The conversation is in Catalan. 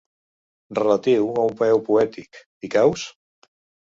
Relatiu a un peu poètic, hi caus?